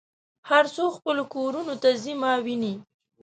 هر څوک خپلو کورونو ته ځي ما وینې.